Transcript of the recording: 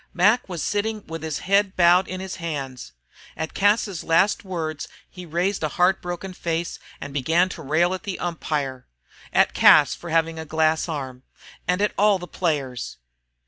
Mac was sitting with his head bowed in his hands. At Cas's last words he raised a heartbroken face, and began to rail at the umpire, at Cas for having a glass arm, and at all his players.